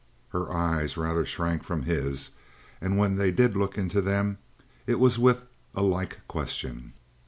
Her eyes rather shrank from his, and when they did look into them it was with a like question.